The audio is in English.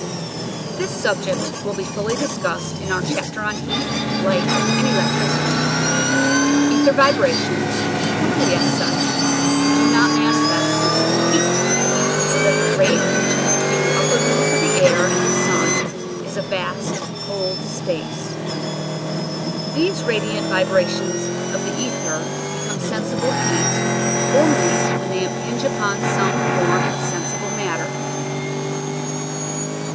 This subject will be fully discussed in our chapters on heat, light, and electricity. Ether vibrations, purely as such, do not manifest sensible heat, so that the great region be tween the upper limits of the air and the sun is a vast cold space. These radiant vibra tions of the ether become sensible heat only when they impinge upon some form of sensi ble matter.